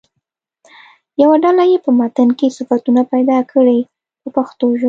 یوه ډله دې په متن کې صفتونه پیدا کړي په پښتو ژبه.